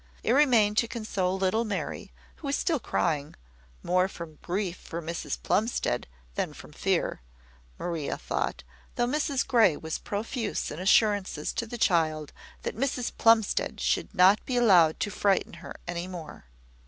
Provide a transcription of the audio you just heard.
It remained to console little Mary, who was still crying, more from grief for Mrs Plumstead than from fear, Maria thought, though Mrs Grey was profuse in assurances to the child that Mrs Plumstead should not be allowed to frighten her any more.